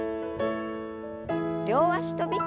両脚跳び。